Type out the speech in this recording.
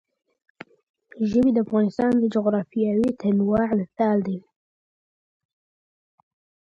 ژبې د افغانستان د جغرافیوي تنوع مثال دی.